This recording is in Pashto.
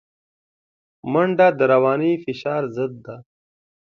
منډه د رواني فشار ضد ده